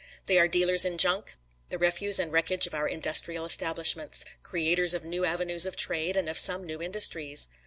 They are dealers in junk, the refuse and wreckage of our industrial establishments; creators of new avenues of trade and of some new industries.